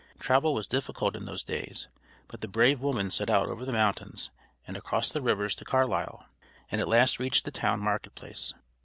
Travel was difficult in those days, but the brave woman set out over the mountains and across the rivers to Carlisle, and at last reached the town market place.